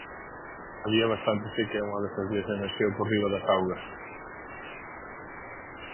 Había bastante seca e unha das aldeas emerxeu por riba das augas.